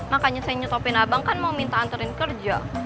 makanya saya nyetopin abang kan mau minta hantarin kerja